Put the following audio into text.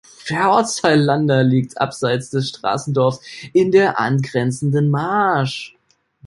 Der Ortsteil Lander liegt abseits des Straßendorfs in der angrenzenden Marsch.